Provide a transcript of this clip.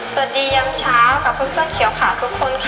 สวัสดีย้ำเช้ากับเพื่อนเขียวครับ